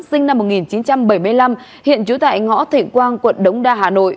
sinh năm một nghìn chín trăm bảy mươi năm hiện trú tại ngõ thệ quang quận đống đa hà nội